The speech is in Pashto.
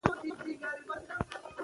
موږ رښتیا پېژنو.